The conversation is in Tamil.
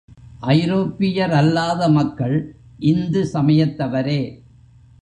ஐரோப்பியரல்லாத மக்கள் இந்து சமயத்தவரே.